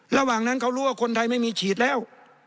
ระหว่างนั้นเขารู้ว่าคนไทยไม่มีฉีดแล้ว